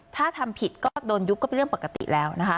ถ้าทำผิดก็โดนยุบก็เป็นเรื่องปกติแล้วนะคะ